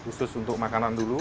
khusus untuk makanan dulu